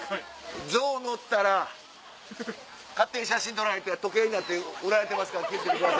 象乗ったら勝手に写真撮られて時計になって売られてますから気ぃ付けてください。